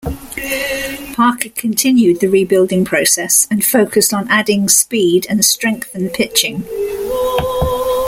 Parker continued the rebuilding process and focused on adding speed and strengthen pitching.